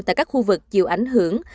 tại các khu vực chịu ảnh hưởng